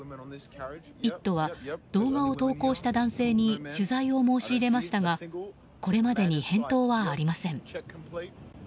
「イット！」は動画を投稿した男性に取材を申し入れましたがこれまでに返答はありません。